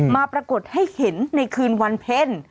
ปรากฏให้เห็นในคืนวันเพ็ญ